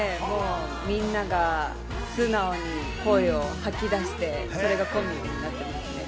みんなが素直に声を吐き出してそれがコンビになっていますね。